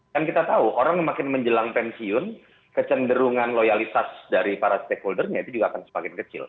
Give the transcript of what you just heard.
dan kita tahu orang yang makin menjelang pensiun kecenderungan loyalitas dari para stakeholder nya itu juga akan semakin kecil